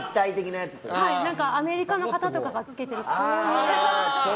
アメリカの方とかが着けてる。